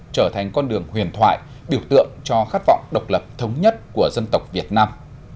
trở thành con đường huyền thoại biểu tượng cho khát vọng độc lập thống nhất của dân tộc việt nam